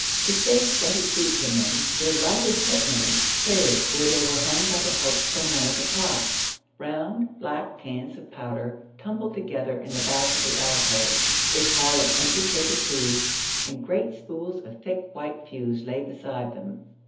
A safe twenty feet from them their lighted pit lamps flared where they were hung by the hooks from one of the props. Round, black cans of powder tumbled together in the back of the alcove, a pile of empty paper tubes and great spools of thick, white fuse lay beside them.